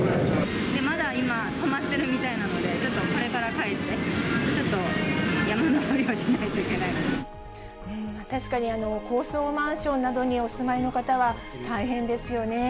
まだ今止まってるみたいなので、ちょっとこれから帰って、ちょっ確かに高層マンションなどにお住まいの方は、大変ですよね。